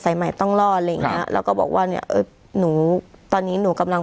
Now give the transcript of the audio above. ไซมัยต้องรอดแล้วก็บอกว่าตอนนี้หนูกำลัง